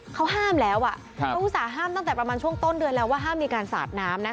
เขาห้ามแล้วเขาอุตส่าห์ตั้งแต่ประมาณช่วงต้นเดือนแล้วว่าห้ามมีการสาดน้ำนะคะ